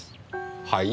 はい？